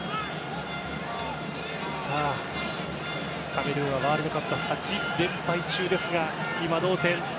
カメルーンはワールドカップ８連敗中ですが今、同点。